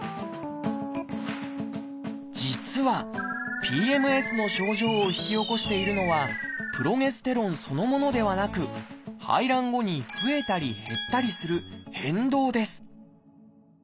実はＰＭＳの症状を引き起こしているのはプロゲステロンそのものではなく排卵後に増えたり減ったりする変動です